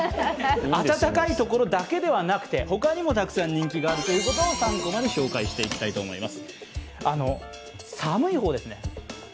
暖かい所だけではなくて他にもたくさん人気があることを「３コマ」で紹介していきたいと思います。